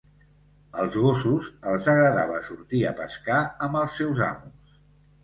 Als gossos els agradava sortir a pescar amb els seus amos.